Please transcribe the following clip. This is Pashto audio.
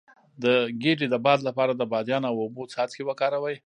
د ګیډې د باد لپاره د بادیان او اوبو څاڅکي وکاروئ